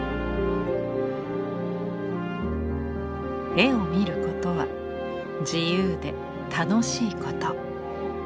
絵を見ることは自由で楽しいこと。